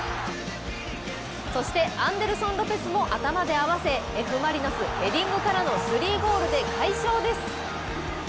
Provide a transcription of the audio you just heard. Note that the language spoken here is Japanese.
そして、アンデルソン・ロペスも頭で合わせ、Ｆ・マリノスヘディングからの３ゴールで快勝です。